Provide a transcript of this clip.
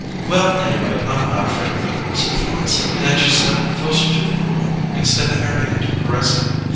"Well, anyway, I'm not afraid of him," said Florence; and she stepped closer to the poodle, extending her hand to caress him.